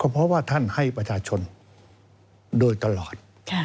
เพราะว่าท่านให้ประชาชนโดยตลอด